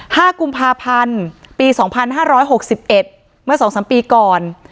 ห้ากุมภาพันธ์ปีสองพันห้าร้อยหกสิบเอ็ดเมื่อสองสามปีก่อน